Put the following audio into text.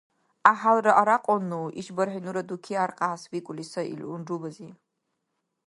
— ГӀяхӀялра арякьунну, ишбархӀи ну дуки аркьяс, — викӀули сай ил унрубази.